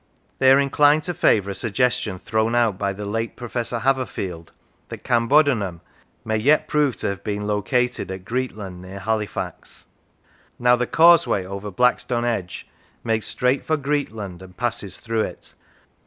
They are inclined to favour a suggestion thrown out by the late Professor Haverfield that Cambodunum may yet prove to have been located at Greetland, near Halifax. Now the causeway over Blackstone Edge makes straight for Greetland and passes through it.